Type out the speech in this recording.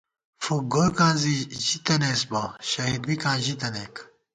فُک گوئیکاں زی ژِی تنَئیس بہ ، شہید بِکان ژِتَنَئیک